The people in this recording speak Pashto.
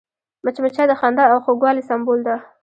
مچمچۍ د خندا او خوږوالي سمبول ده